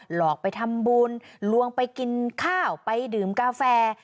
หลอกไปทำบุญลวงไปกินข้าวไปดื่มกาแฟ